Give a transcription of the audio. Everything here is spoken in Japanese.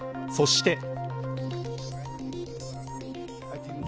そして。